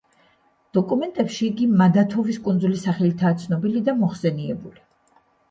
დოკუმენტებში იგი მადათოვის კუნძულის სახელითაა ცნობილი და მოხსენიებული.